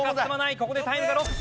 ここでタイムがロスする。